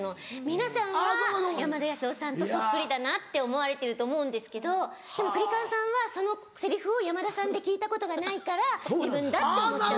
皆さんは山田康雄さんとそっくりだなって思われてると思うんですけどでもクリカンさんはそのセリフを山田さんで聞いたことがないから自分だって思っちゃう。